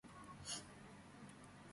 იგი პირველად ჩაიწერა ლიტლ რიჩარდის მიერ.